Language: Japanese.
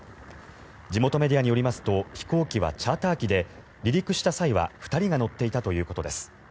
地元メディアによりますと飛行機はチャーター機で離陸した際は２人が乗っていたということです。